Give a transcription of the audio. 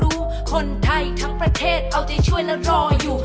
คนไทยทั้งประเทศเอาใจช่วยและรออยู่